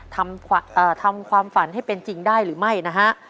ทำความฝันให้เป็นจริงได้หรือไม่นะฮะ